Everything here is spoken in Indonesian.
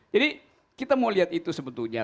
jadi kita mau lihat itu sebetulnya